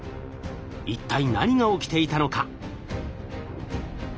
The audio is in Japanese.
一体何が起きていたのか？